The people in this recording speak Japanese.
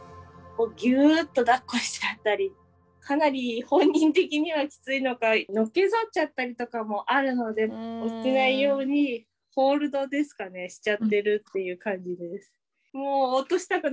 ギューッとだっこしちゃったりかなり本人的にはきついのかのけぞっちゃったりとかもあるので落ちないようにホールドですかねしちゃってるっていう感じです。